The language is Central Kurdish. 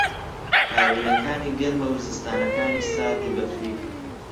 ھاوینەکانی گەرمە و زستانانەکانی سارد و بەفری